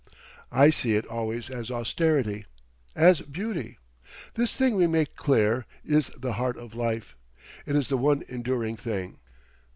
I see it always as austerity, as beauty. This thing we make clear is the heart of life. It is the one enduring thing.